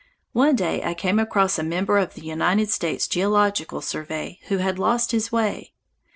One day I came across a member of the United States Geological Survey who had lost his way.